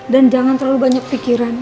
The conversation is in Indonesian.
jangan terlalu banyak pikiran